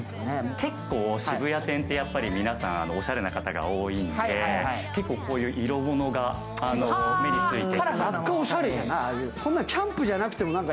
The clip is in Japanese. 結構渋谷店って皆さん、おしゃれな方が多いので、こういう色物が目について。